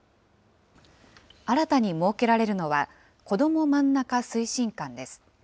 新たに設けられるのは、こどもまんなか推進監です。